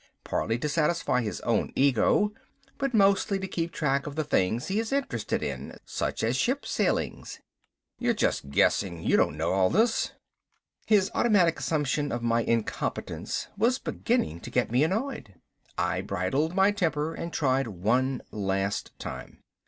Partly to satisfy his own ego, but mostly to keep track of the things he is interested in. Such as ship sailings." "You're just guessing you don't know all this." His automatic assumption of my incompetence was beginning to get me annoyed. I bridled my temper and tried one last time.